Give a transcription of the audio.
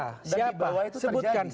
dan dibawa itu terjadi